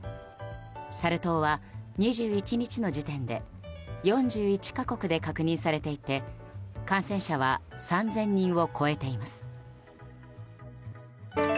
サル痘は２１日の時点で４１か国で確認されていて感染者は３０００人を超えています。